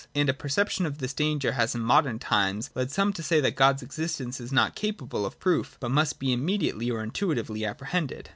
And a perception of this danger has in modern times led some to say that God's existence is not capable of proof, but must be immediately or intuitively ap prehended.